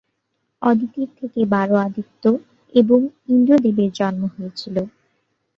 অদিতির থেকে বারো আদিত্য এবং ইন্দ্র দেবের জন্ম হয়েছিল।